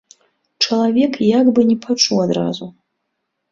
Чалавек як бы не пачуў адразу.